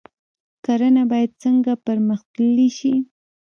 کرنه باید څنګه پرمختللې شي؟